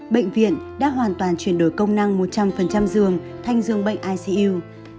bệnh viện đã hoàn toàn chuyển đổi công năng một trăm linh giường thành giường bệnh icu